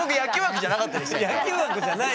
野球枠じゃない。